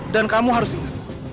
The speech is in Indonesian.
dan kamu harus ingat